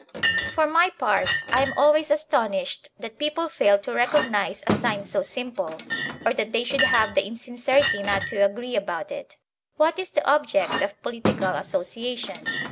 For my part, I am always astonished that people fail to recognize a sign so simple, or that they should have the insincerity not to agree about it. What is the object of political association